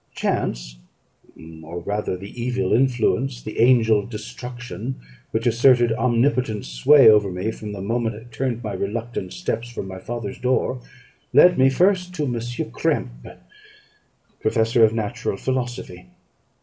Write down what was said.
Chance or rather the evil influence, the Angel of Destruction, which asserted omnipotent sway over me from the moment I turned my reluctant steps from my father's door led me first to Mr. Krempe, professor of natural philosophy.